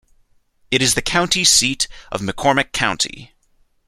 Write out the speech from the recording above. It is the county seat of McCormick County.